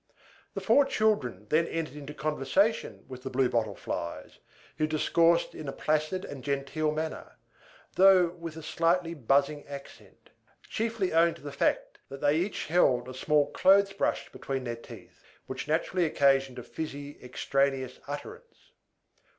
The four children then entered into conversation with the Blue Bottle Flies, who discoursed in a placid and genteel manner, though with a slightly buzzing accent, chiefly owing to the fact that they each held a small clothes brush between their teeth, which naturally occasioned a fizzy, extraneous utterance.